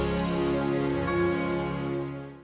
nah sampai jumpa lagi